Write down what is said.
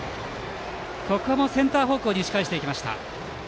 ここもセンター方向に打ち返していきました。